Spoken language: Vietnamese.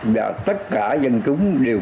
và tất cả dân chúng đều